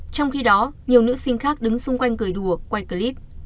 trong khi đó nhiều nữ sinh khác đứng xung quanh cười đùa quay clip